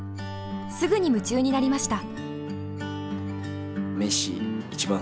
すぐに夢中になりました。